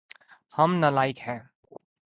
ہم نالائق ہیے